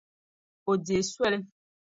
O deei soli.